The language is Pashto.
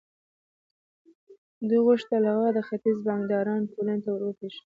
دوی غوښتل هغه د ختيځ د بانکدارانو ټولنې ته ور وپېژني.